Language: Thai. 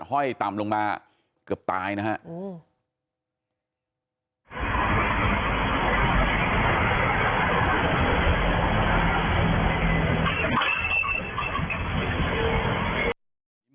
ห้อยต่ำลงมาเกือบตายนะครับ